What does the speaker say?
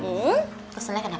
hmm keselnya kenapa